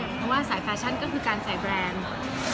เพราะว่าสายแฟชั่นก็คือการใส่แบรนด์